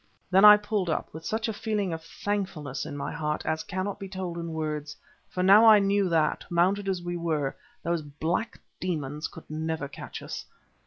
Then I pulled up, with such a feeling of thankfulness in my heart as cannot be told in words; for now I knew that, mounted as we were, those black demons could never catch us.